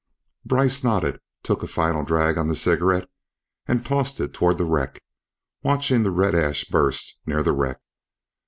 Brice nodded, took a final drag on the cigarette and tossed it toward the wreck, watching the red ash burst near the wreck.